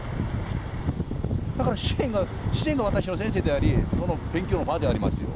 だから自然が私の先生であり勉強の場でありますよ。